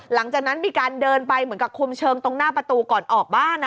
หลังจากนั้นมีการเดินไปเหมือนกับคุมเชิงตรงหน้าประตูก่อนออกบ้าน